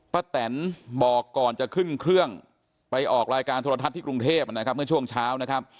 แตนบอกก่อนจะขึ้นเครื่องไปออกรายการโทรทัศน์ที่กรุงเทพนะครับเมื่อช่วงเช้านะครับ